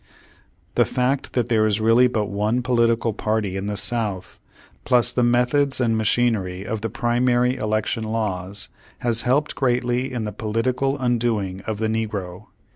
The fact that there is really but one political party in the South, plus the methods and ma chinery of the primary election laws, has helped greatly in the political undoing of the negro.